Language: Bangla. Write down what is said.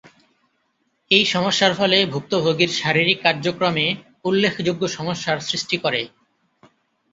এই সমস্যার ফলে ভুক্তভোগীর শারীরিক কার্যক্রমে উল্লেখযোগ্য সমস্যার সৃষ্টি করে।